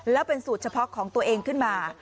แล้วเป็นสูตรเฉพาะของตัวเองขึ้นมา